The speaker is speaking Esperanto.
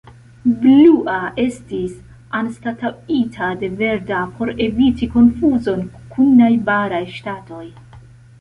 Blua estis anstataŭita de verda por eviti konfuzon kun najbaraj ŝtatoj.